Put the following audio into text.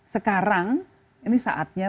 sekarang ini saatnya